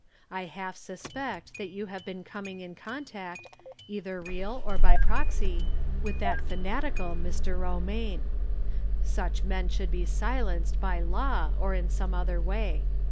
I half suspect that you have been coming in contact, either real or by proxy, with that fanatical Mr. Eomaine. Such men should be silenced by law or in some other "way.